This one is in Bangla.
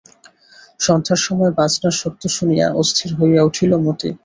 সন্ধ্যার সময় বাজনার শব্দ শুনিয়া অস্থির হইয়া উঠিল মতি।